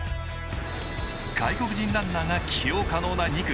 外国人ランナーが起用可能な２区。